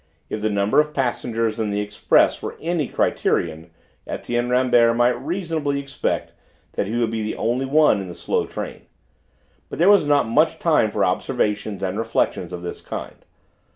If the number of passengers in the express were any criterion Etienne Rambert might reasonably expect that he would be the only one in the slow train. But there was not much time for observations and reflections of this kind.